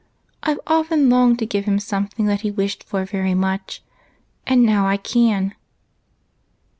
I 've often longed to give him something that he wished for very much, and now I can."